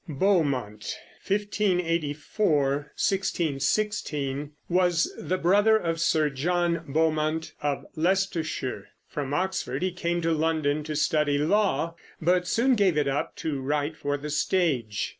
Beaumont (1584 1616) was the brother of Sir John Beaumont of Leicestershire. From Oxford he came to London to study law, but soon gave it up to write for the stage.